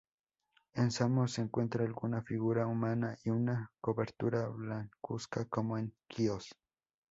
En Samos se encuentra alguna figura humana y una cobertura blancuzca, como en Quíos.